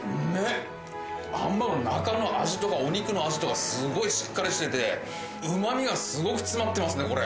ハンバーグの中の味とかお肉の味とか凄いしっかりしてて旨みが凄く詰まってますねこれ。